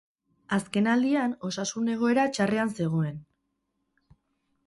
Azkenaldian osasun egoera txarrean zegoen.